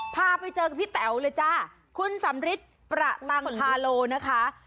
พาไปเจอกับพี่แต๋วเลยจ้าคุณสำริทประตังพาโลนะคะ